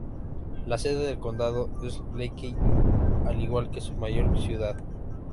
La sede del condado es Leakey, al igual que su mayor ciudad.